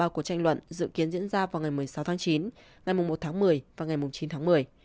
cuộc tranh luận dự kiến diễn ra vào ngày một mươi sáu tháng chín ngày một tháng một mươi và ngày chín tháng một mươi